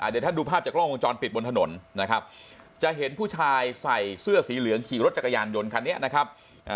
เดี๋ยวท่านดูภาพจากกล้องวงจรปิดบนถนนนะครับจะเห็นผู้ชายใส่เสื้อสีเหลืองขี่รถจักรยานยนต์คันนี้นะครับ